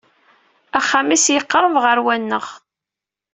Axxam-is yeqreb ɣer wa-nneɣ.